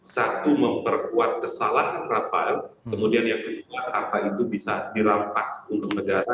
satu memperkuat kesalahan rafael kemudian yang kedua harta itu bisa dirampas untuk negara